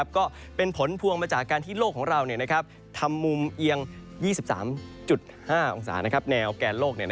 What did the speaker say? ก็เป็นผลพวงมาจากการที่โลกของเราทำมุมเอียง๒๓๕องศาแนวแกนโลก